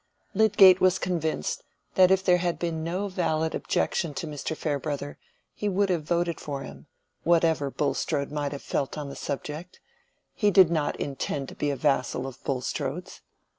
Lydgate was convinced that if there had been no valid objection to Mr. Farebrother, he would have voted for him, whatever Bulstrode might have felt on the subject: he did not intend to be a vassal of Bulstrode's.